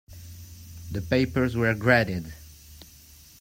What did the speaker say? The papers were graded.